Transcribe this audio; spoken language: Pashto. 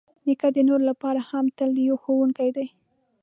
نیکه د نورو لپاره هم تل یو ښوونکی دی.